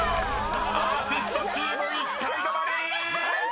［アーティストチーム１階止まり！］